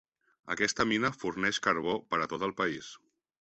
Aquesta mina forneix carbó per a tot el país.